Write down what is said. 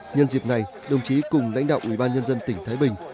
nhân dịp này đồng chí cùng lãnh đạo ủy ban nhân dân tỉnh thái bình